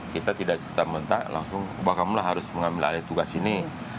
kita tidak setelah mentah langsung bakam lala harus mengambil alih tugas ini